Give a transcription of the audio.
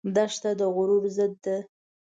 دښته د غرور ضد ده.